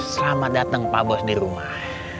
selamat datang pak bos di rumah